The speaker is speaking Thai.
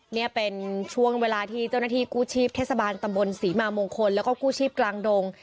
นี่เป็นช่วงเวลาที่เจ้าหน้าที่กู้ชีพเทศบาลตำบลศรีมามงคลแล้วก็กู้ชีพกลางดง